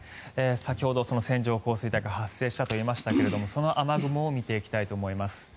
先ほど、線状降水帯が発生したと言いましたけどもその雨雲を見ていきたいと思います。